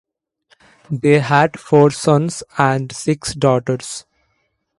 They had four sons and six daughters.